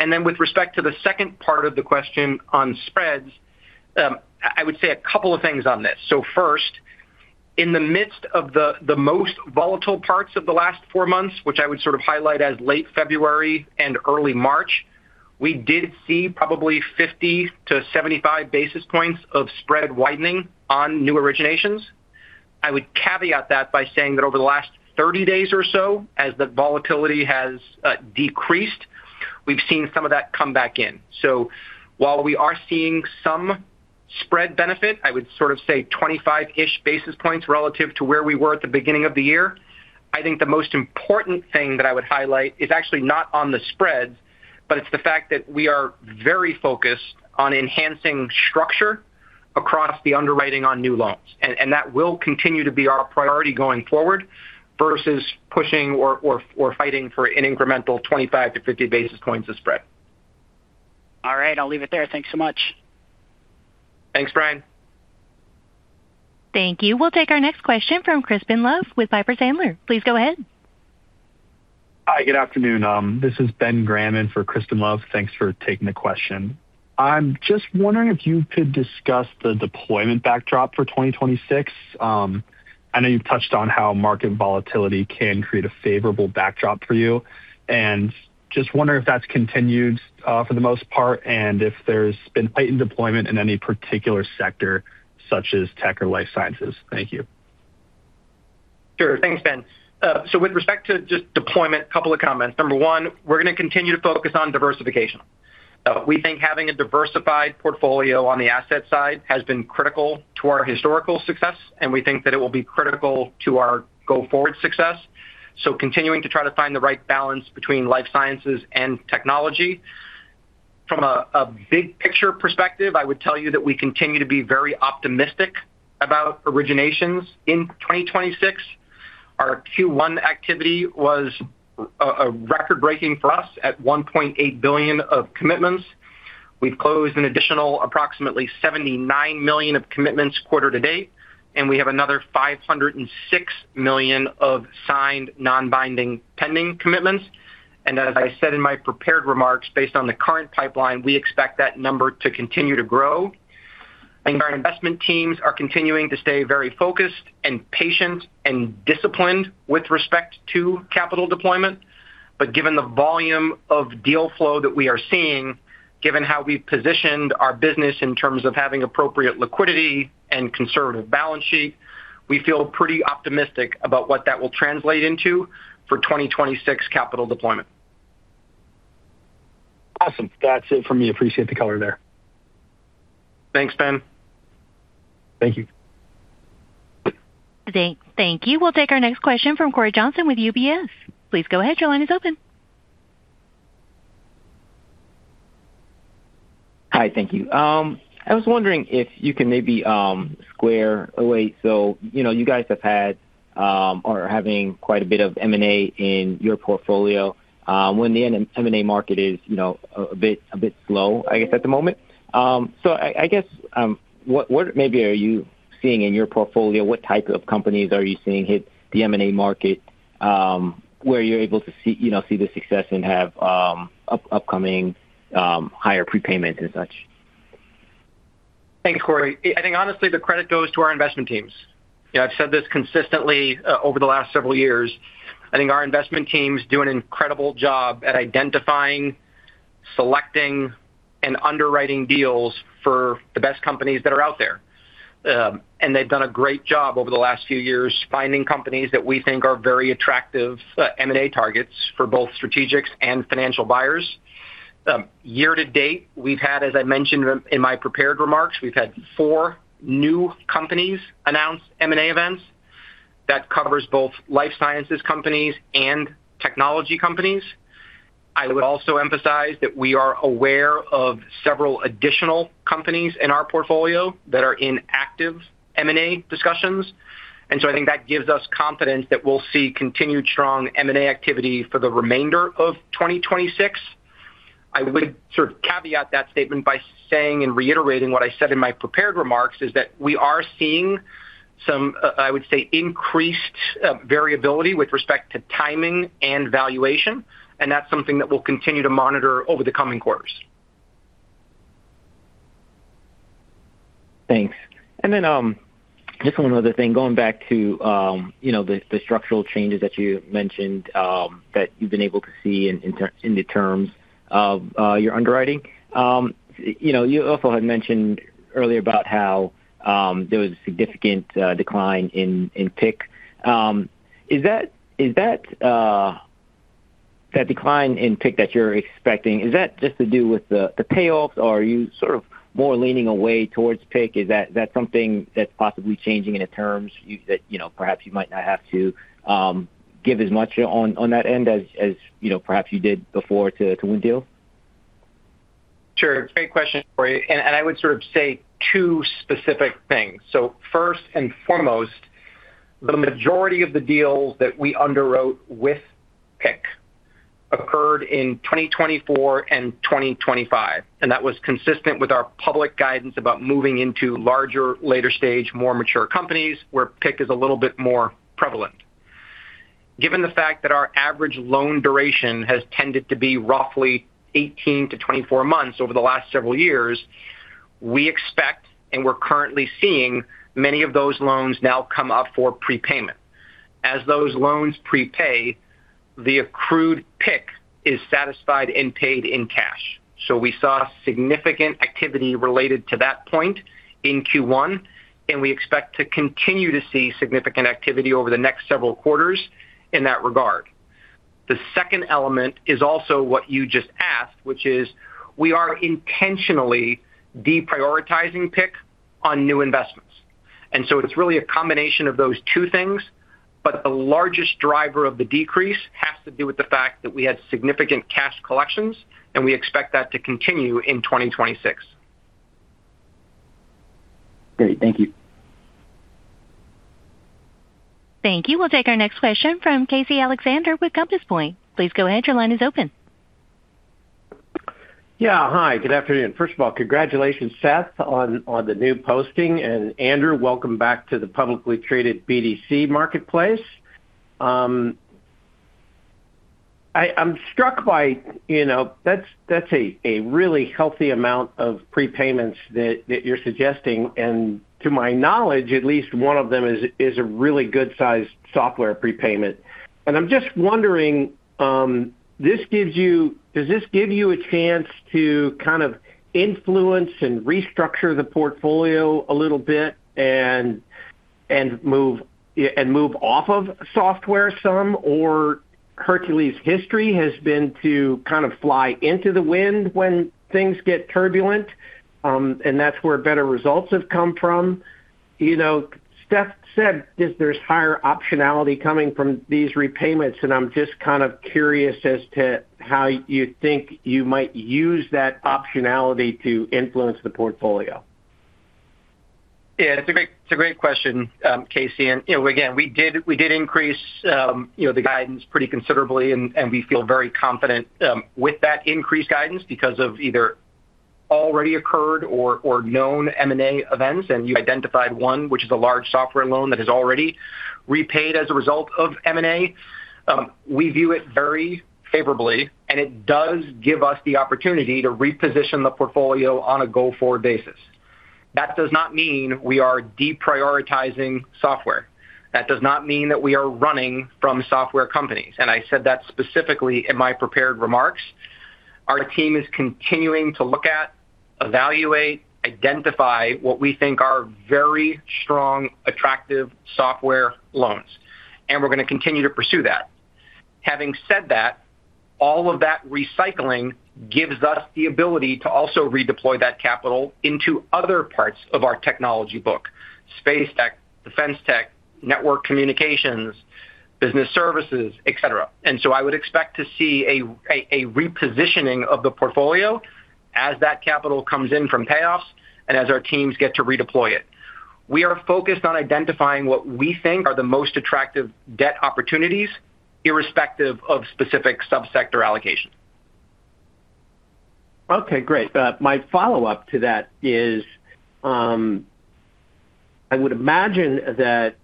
[SPEAKER 3] With respect to the second part of the question on spreads, I would say a couple of things on this. First, in the midst of the most volatile parts of the last four months, which I would sort of highlight as late February and early March, we did see probably 50-75 basis points of spread widening on new originations. I would caveat that by saying that over the last 30 days or so, as the volatility has decreased, we've seen some of that come back in. While we are seeing some spread benefit, I would sort of say 25-ish basis points relative to where we were at the beginning of the year, I think the most important thing that I would highlight is actually not on the spreads, but it's the fact that we are very focused on enhancing structure across the underwriting on new loans. That will continue to be our priority going forward versus pushing or fighting for an incremental 25 basis points-50 basis points of spread.
[SPEAKER 5] All right. I'll leave it there. Thanks so much.
[SPEAKER 3] Thanks, Brian.
[SPEAKER 1] Thank you. We'll take our next question from Crispin Love with Piper Sandler. Please go ahead.
[SPEAKER 6] Hi. Good afternoon. This is Ben Granon for Crispin Love. Thanks for taking the question. I'm just wondering if you could discuss the deployment backdrop for 2026. I know you've touched on how market volatility can create a favorable backdrop for you, and just wondering if that's continued for the most part and if there's been heightened deployment in any particular sector, such as tech or life sciences. Thank you.
[SPEAKER 3] Sure. Thanks, Ben. With respect to just deployment, couple of comments. Number one, we're going to continue to focus on diversification. We think having a diversified portfolio on the asset side has been critical to our historical success, and we think that it will be critical to our go-forward success, continuing to try to find the right balance between life sciences and technology. From a big picture perspective, I would tell you that we continue to be very optimistic about originations in 2026. Our Q1 activity was a record-breaking for us at $1.8 billion of commitments. We've closed an additional approximately $79 million of commitments quarter to date, and we have another $506 million of signed non-binding pending commitments. As I said in my prepared remarks, based on the current pipeline, we expect that number to continue to grow. Our investment teams are continuing to stay very focused and patient and disciplined with respect to capital deployment. Given the volume of deal flow that we are seeing, given how we've positioned our business in terms of having appropriate liquidity and conservative balance sheet, we feel pretty optimistic about what that will translate into for 2026 capital deployment.
[SPEAKER 6] Awesome. That's it from me. Appreciate the color there.
[SPEAKER 3] Thanks, Finian.
[SPEAKER 6] Thank you.
[SPEAKER 1] Thank you. We'll take our next question from Cory Johnson with UBS. Please go ahead. Your line is open.
[SPEAKER 7] Hi, thank you. I was wondering if you can maybe square away. You know, you guys have had or are having quite a bit of M&A in your portfolio when the M&A market is, you know, a bit slow, I guess, at the moment. I guess, what maybe are you seeing in your portfolio? What type of companies are you seeing hit the M&A market where you're able to see, you know, see the success and have upcoming higher prepayment and such?
[SPEAKER 3] Thanks, Cory. I think honestly, the credit goes to our investment teams. You know, I've said this consistently over the last several years. I think our investment teams do an incredible job at identifying, selecting, and underwriting deals for the best companies that are out there. They've done a great job over the last few years finding companies that we think are very attractive M&A targets for both strategics and financial buyers. Year to date, we've had, as I mentioned in my prepared remarks, we've had four new companies announce M&A events. That covers both life sciences companies and technology companies. I would also emphasize that we are aware of several additional companies in our portfolio that are in active M&A discussions. I think that gives us confidence that we'll see continued strong M&A activity for the remainder of 2026. I would sort of caveat that statement by saying and reiterating what I said in my prepared remarks, is that we are seeing some, I would say, increased variability with respect to timing and valuation, and that's something that we'll continue to monitor over the coming quarters.
[SPEAKER 7] Thanks. Just one other thing, going back to, you know, the structural changes that you mentioned, that you've been able to see in the terms of your underwriting. You know, you also had mentioned earlier about how there was a significant decline in PIK. Is that decline in PIK that you're expecting, is that just to do with the payoffs, or are you sort of more leaning away towards PIK? Is that something that's possibly changing in the terms that, you know, perhaps you might not have to give as much on that end as, you know, perhaps you did before to win deals?
[SPEAKER 3] Sure. Great question, Cory. I would sort of say two specific things. First and foremost, the majority of the deals that we underwrote with PIK occurred in 2024 and 2025, and that was consistent with our public guidance about moving into larger, later stage, more mature companies where PIK is a little bit more prevalent. Given the fact that our average loan duration has tended to be roughly 18 to 24 months over the last several years, we expect, and we're currently seeing many of those loans now come up for prepayment. As those loans prepay, the accrued PIK is satisfied and paid in cash. We saw significant activity related to that point in Q1, and we expect to continue to see significant activity over the next several quarters in that regard. The second element is also what you just asked, which is we are intentionally deprioritizing PIK on new investments. It's really a combination of those 2 things, but the largest driver of the decrease has to do with the fact that we had significant cash collections, and we expect that to continue in 2026.
[SPEAKER 7] Great. Thank you.
[SPEAKER 1] Thank you. We'll take our next question from Casey Alexander with Compass Point. Please go ahead. Your line is open.
[SPEAKER 8] Yeah. Hi, good afternoon. First of all, congratulations, Seth, on the new posting. Andrew, welcome back to the publicly traded BDC marketplace. I'm struck by, you know, that's a really healthy amount of prepayments that you're suggesting. To my knowledge, at least one of them is a really good-sized software prepayment. I'm just wondering, does this give you a chance to kind of influence and restructure the portfolio a little bit and move off of software some? Hercules' history has been to kind of fly into the wind when things get turbulent, and that's where better results have come from. You know, Seth said there's higher optionality coming from these repayments, and I'm just kind of curious as to how you think you might use that optionality to influence the portfolio.
[SPEAKER 3] Yeah, it's a great question, Casey. You know, again, we did increase, you know, the guidance pretty considerably, and we feel very confident with that increased guidance because of either already occurred or known M&A events. You identified one, which is a large software loan that is already repaid as a result of M&A. We view it very favorably, and it does give us the opportunity to reposition the portfolio on a go-forward basis. That does not mean we are deprioritizing software. That does not mean that we are running from software companies. I said that specifically in my prepared remarks. Our team is continuing to look at, evaluate, identify what we think are very strong, attractive software loans, and we're gonna continue to pursue that. Having said that, all of that recycling gives us the ability to also redeploy that capital into other parts of our technology book. Space tech, defense tech, network communications, business services, et cetera. I would expect to see a repositioning of the portfolio as that capital comes in from payoffs and as our teams get to redeploy it. We are focused on identifying what we think are the most attractive debt opportunities, irrespective of specific subsector allocations.
[SPEAKER 8] Okay, great. My follow-up to that is, I would imagine that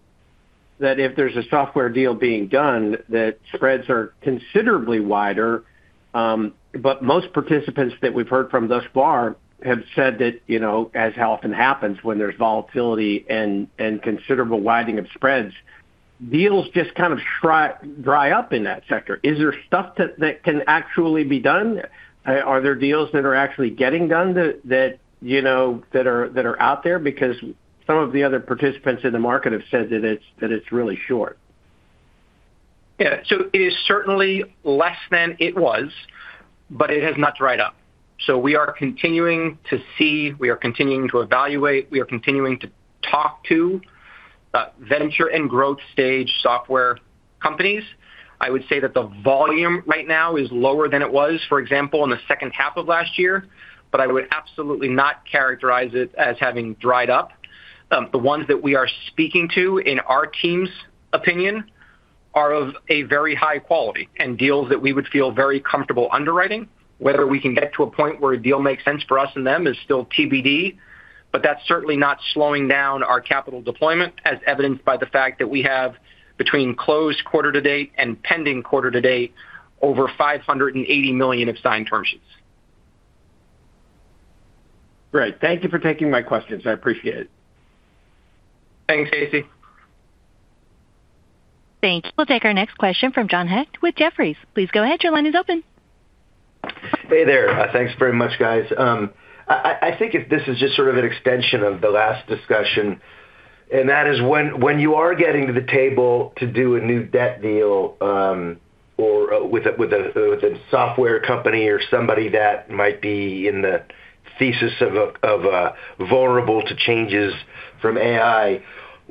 [SPEAKER 8] if there's a software deal being done that spreads are considerably wider, but most participants that we've heard from thus far have said that, as often happens when there's volatility and considerable widening of spreads, deals just kind of dry up in that sector. Is there stuff that can actually be done? Are there deals that are actually getting done that are out there? Some of the other participants in the market have said that it's really short.
[SPEAKER 3] Yeah. It is certainly less than it was, but it has not dried up. We are continuing to see, we are continuing to evaluate, we are continuing to talk to venture and growth stage software companies. I would say that the volume right now is lower than it was, for example, in the second half of last year. I would absolutely not characterize it as having dried up. The ones that we are speaking to, in our team's opinion, are of a very high quality and deals that we would feel very comfortable underwriting. Whether we can get to a point where a deal makes sense for us and them is still TBD, but that's certainly not slowing down our capital deployment, as evidenced by the fact that we have between closed quarter to date and pending quarter to date over $580 million of signed term sheets.
[SPEAKER 8] Great. Thank you for taking my questions. I appreciate it.
[SPEAKER 3] Thanks, Casey.
[SPEAKER 1] Thank you. We'll take our next question from John Hecht with Jefferies. Please go ahead. Your line is open.
[SPEAKER 9] Hey there. Thanks very much, guys. I think this is just sort of an extension of the last discussion, and that is when you are getting to the table to do a new debt deal, or with a software company or somebody that might be in the thesis of a vulnerable to changes from AI, what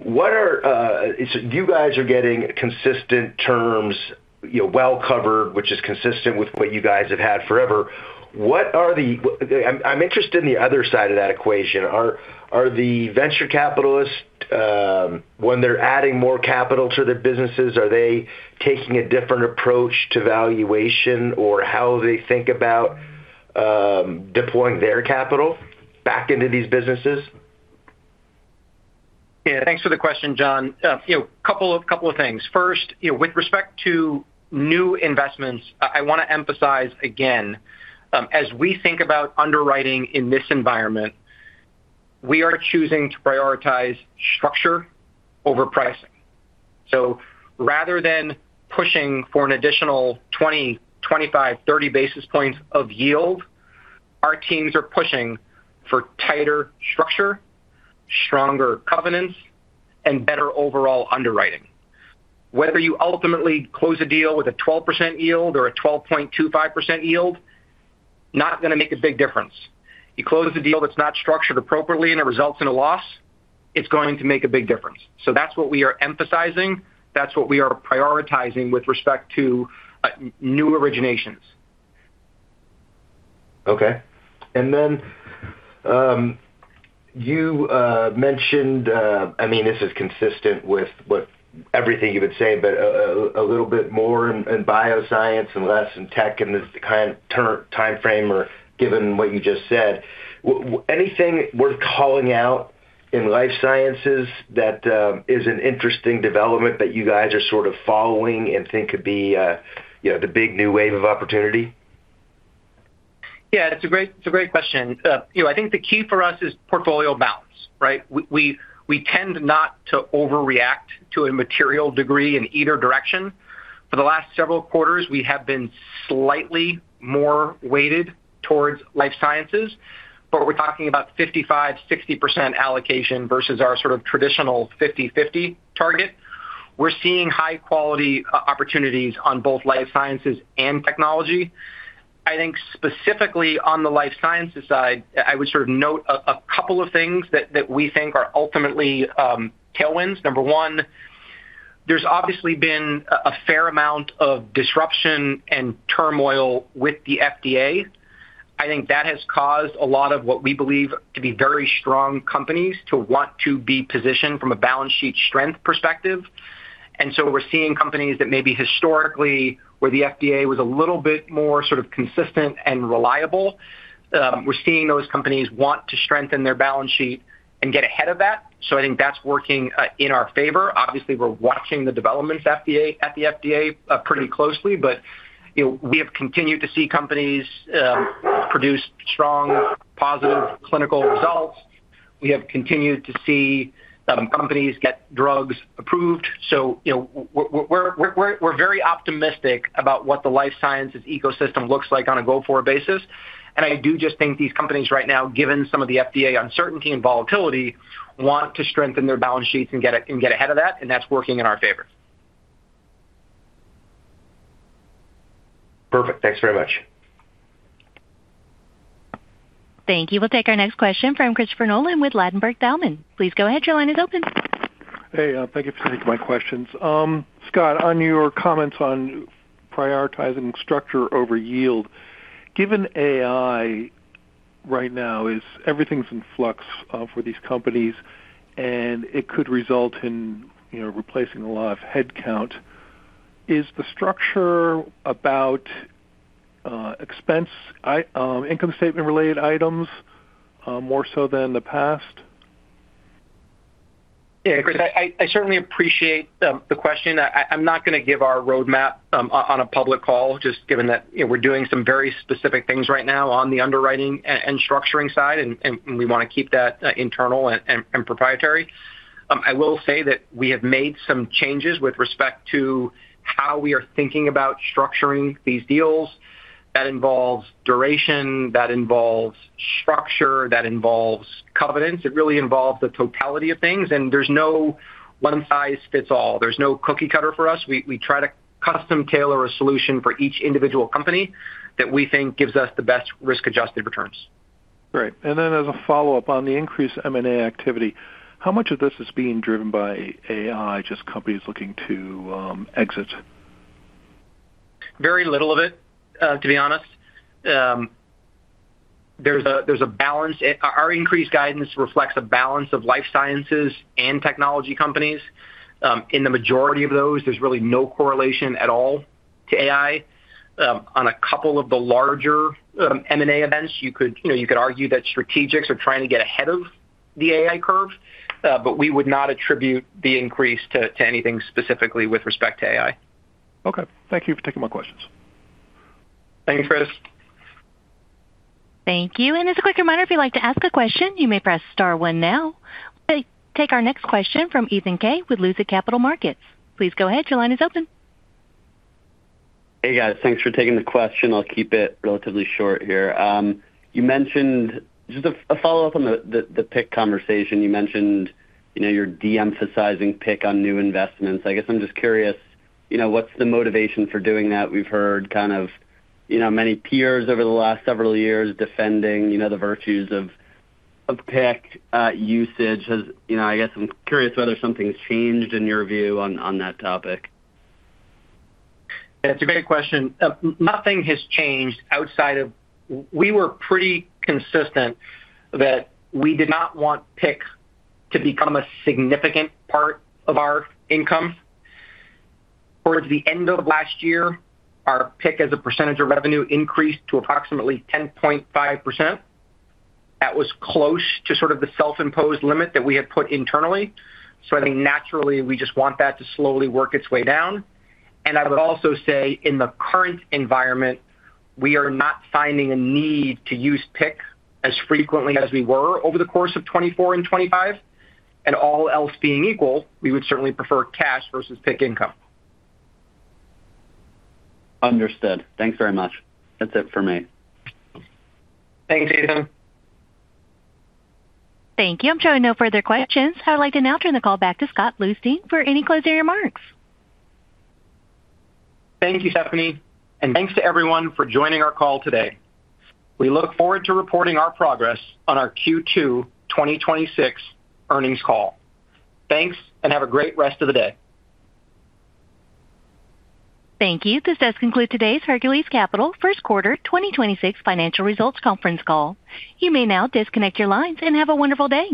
[SPEAKER 9] are. You guys are getting consistent terms, you know, well covered, which is consistent with what you guys have had forever. What are the? I'm interested in the other side of that equation. Are the venture capitalists, when they're adding more capital to their businesses, are they taking a different approach to valuation or how they think about deploying their capital back into these businesses?
[SPEAKER 3] Thanks for the question, John. you know, couple of things. First, you know, with respect to new investments, I wanna emphasize again, as we think about underwriting in this environment, we are choosing to prioritize structure over pricing. Rather than pushing for an additional 20, 25, 30 basis points of yield, our teams are pushing for tighter structure, stronger covenants, and better overall underwriting. Whether you ultimately close a deal with a 12% yield or a 12.25% yield, not gonna make a big difference. You close a deal that's not structured appropriately and it results in a loss, it's going to make a big difference. That's what we are emphasizing. That's what we are prioritizing with respect to new originations.
[SPEAKER 9] Okay. You mentioned, I mean, this is consistent with everything you've been saying, but a little bit more in bioscience and less in tech in this kind of timeframe or given what you just said. Anything worth calling out in life sciences that is an interesting development that you guys are sort of following and think could be, you know, the big new wave of opportunity?
[SPEAKER 3] It's a great, it's a great question. You know, I think the key for us is portfolio balance, right? We tend not to overreact to a material degree in either direction. For the last several quarters, we have been slightly more weighted towards life sciences, but we're talking about 55%, 60% allocation versus our sort of traditional 50-50 target. We're seeing high quality opportun] on both life sciences and technology. I think specifically on the life sciences side, I would sort of note a couple of things that we think are ultimately tailwinds. Number 1. There's obviously been a fair amount of disruption and turmoil with the FDA. I think that has caused a lot of what we believe to be very strong companies to want to be positioned from a balance sheet strength perspective. We're seeing companies that maybe historically where the FDA was a little bit more sort of consistent and reliable, we're seeing those companies want to strengthen their balance sheet and get ahead of that. I think that's working in our favor. Obviously, we're watching the developments at the FDA pretty closely. You know, we have continued to see companies produce strong, positive clinical results. We have continued to see companies get drugs approved. You know, we're very optimistic about what the life sciences ecosystem looks like on a go-forward basis. I do just think these companies right now, given some of the FDA uncertainty and volatility, want to strengthen their balance sheets and get ahead of that, and that's working in our favor.
[SPEAKER 9] Perfect. Thanks very much.
[SPEAKER 1] Thank you. We'll take our next question from Christopher Nolan with Ladenburg Thalmann. Please go ahead. Your line is open.
[SPEAKER 10] Hey. Thank you for taking my questions. Scott, on your comments on prioritizing structure over yield, given AI right now is everything's in flux for these companies, and it could result in, you know, replacing a lot of headcount. Is the structure about income statement-related items more so than the past?
[SPEAKER 3] Chris, I certainly appreciate the question. I'm not gonna give our roadmap on a public call, just given that, you know, we're doing some very specific things right now on the underwriting and structuring side, and we wanna keep that internal and proprietary. I will say that we have made some changes with respect to how we are thinking about structuring these deals. That involves duration, that involves structure, that involves covenants. It really involves the totality of things, and there's no one size fits all. There's no cookie cutter for us. We try to custom tailor a solution for each individual company that we think gives us the best risk-adjusted returns.
[SPEAKER 10] Great. As a follow-up, on the increased M&A activity, how much of this is being driven by AI, just companies looking to exit?
[SPEAKER 3] Very little of it, to be honest. There's a balance. Our increased guidance reflects a balance of life sciences and technology companies. In the majority of those, there's really no correlation at all to AI. On a couple of the larger M&A events, you could, you know, you could argue that strategics are trying to get ahead of the AI curve, we would not attribute the increase to anything specifically with respect to AI.
[SPEAKER 10] Okay. Thank you for taking my questions.
[SPEAKER 3] Thanks, Chris.
[SPEAKER 1] Thank you. As a quick reminder, if you'd like to ask a question, you may press star one now. We'll take our next question from Ethan Kaye with Lucid Capital Markets. Please go ahead. Your line is open.
[SPEAKER 11] Hey, guys. Thanks for taking the question. I'll keep it relatively short here. Just a follow-up on the PIK conversation. You mentioned, you know, you're de-emphasizing PIK on new investments. I guess I'm just curious, you know, what's the motivation for doing that? We've heard kind of, you know, many peers over the last several years defending, you know, the virtues of PIK usage. You know, I guess I'm curious whether something's changed in your view on that topic.
[SPEAKER 3] That's a great question. Nothing has changed outside of we were pretty consistent that we did not want PIK to become a significant part of our income. Towards the end of last year, our PIK as a percentage of revenue increased to approximately 10.5%. That was close to sort of the self-imposed limit that we had put internally. I think naturally, we just want that to slowly work its way down. I would also say in the current environment, we are not finding a need to use PIK as frequently as we were over the course of 2024 and 2025. All else being equal, we would certainly prefer cash versus PIK income.
[SPEAKER 11] Understood. Thanks very much. That's it for me.
[SPEAKER 3] Thanks, Ethan.
[SPEAKER 1] Thank you. I'm showing no further questions. I would like to now turn the call back to Scott Bluestein for any closing remarks.
[SPEAKER 3] Thank you, Stephanie. Thanks to everyone for joining our call today. We look forward to reporting our progress on our Q2 2026 earnings call. Thanks. Have a great rest of the day.
[SPEAKER 1] Thank you. This does conclude today's Hercules Capital First Quarter 2026 Financial Results Conference Call. You may now disconnect your lines. Have a wonderful day.